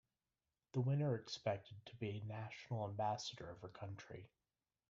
The winner expected to be national ambassador of her country.